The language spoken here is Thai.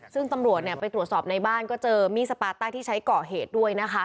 ซึ่งตำรวจไปตรวจสอบในบ้านก็เจอมีดสปาต้าที่ใช้ก่อเหตุด้วยนะคะ